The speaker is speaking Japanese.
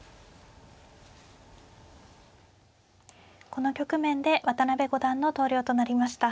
この局面で渡辺五段の投了となりました。